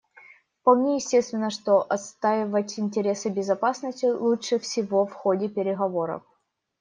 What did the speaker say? Вполне естественно, что отстаивать интересы безопасности лучше всего в ходе переговоров.